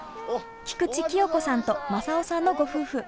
菊池清子さんと政雄さんのご夫婦。